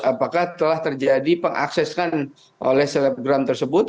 apakah telah terjadi pengaksesan oleh selebgram tersebut